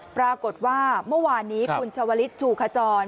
ปรากฏว่าเมื่อวานนี้คุณชวลิศชูขจร